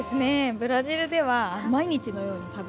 ブラジルでは毎日のように食べる。